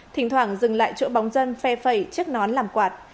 thỉnh thoảng dừng lại chỗ bóng dân phe phẩy chất nón làm quạt